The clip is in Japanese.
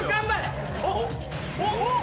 おっ！